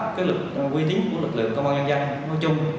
và của lực lượng công an nhân dân nói chung